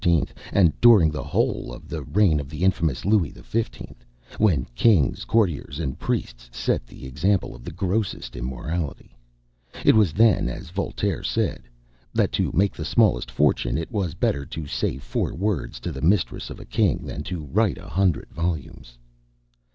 and during the whole of the reign of the infamous Louis XV., when kings, courtiers, and priests set the example of the grossest immorality. It was then, as Voltaire said, "that to make the smallest fortune, it was better to say four words to the mistress of a king, than to write a hundred volumes."